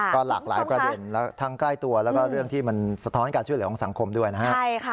ก็หลากหลายประเด็นทั้งใกล้ตัวแล้วก็เรื่องที่มันสะท้อนการช่วยเหลือของสังคมด้วยนะฮะ